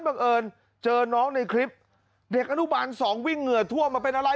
บังเอิญเจอน้องในคลิปเด็กอนุบาลสองวิ่งเหงื่อท่วมมาเป็นอะไร